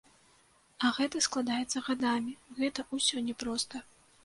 А гэта складаецца гадамі, гэта ўсё не проста.